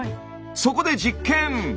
そこで実験！